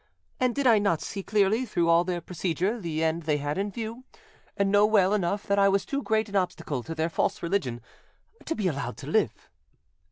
and did I not see clearly through all their procedure the end they had in view, and know well enough that I was too great an obstacle to their false religion to be allowed to live?